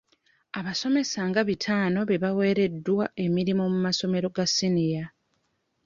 Abasomesa nga bitaano be baweereddwa emirimu mu masomero ga siniya.